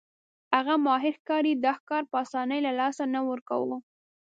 هغه ماهر ښکاري دا ښکار په اسانۍ له لاسه نه ورکاوه.